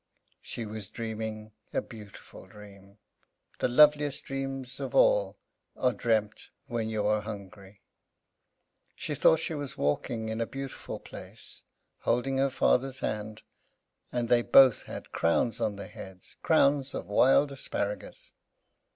She was dreaming a beautiful dream. The loveliest dreams of all are dreamed when you are hungry. She thought she was walking in a beautiful place, holding her father's hand, and they both had crowns on their heads, crowns of wild asparagus.